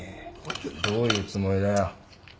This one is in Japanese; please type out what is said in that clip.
どういうつもりだよ。